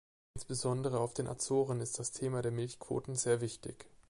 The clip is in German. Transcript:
Insbesondere auf den Azoren ist das Thema der Milchquoten sehr wichtig.